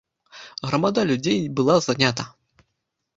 Грамада людзей была занята.